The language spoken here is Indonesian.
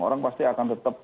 orang pasti akan tetap